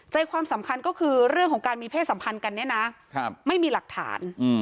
ความสำคัญก็คือเรื่องของการมีเพศสัมพันธ์กันเนี่ยนะไม่มีหลักฐาน